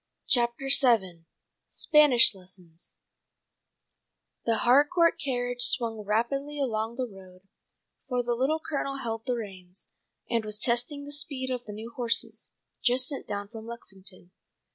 CHAPTER VII SPANISH LESSONS THE Harcourt carriage swung rapidly along the road, for the Little Colonel held the reins, and was testing the speed of the new horses, just sent down from Lexington.